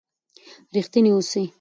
رښتیني اوسئ.